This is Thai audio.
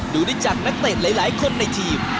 ดูได้จากนักเตะหลายคนในทีม